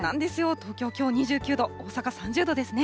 東京、きょう２９度、大阪３０度ですね。